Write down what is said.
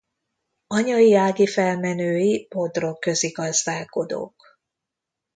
Anyai ági felmenői bodrogközi gazdálkodók.